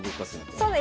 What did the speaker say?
そうです。